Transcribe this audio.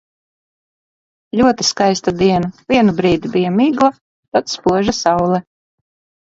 Ļoti skaista diena – vienu brīdi bija migla, tad spoža saule.